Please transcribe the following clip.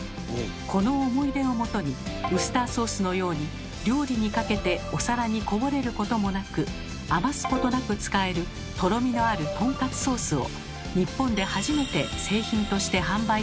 この思い出をもとにウスターソースのように料理にかけてお皿にこぼれることもなく余すことなく使えるとろみのあるとんかつソースを日本で初めて製品として販売したというのです。